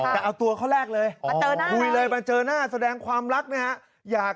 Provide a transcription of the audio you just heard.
แต่เอาตัวข้อแรกเลยพันเจอหน้าแสดงความรัก